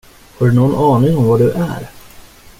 Har du nån aning om var du är?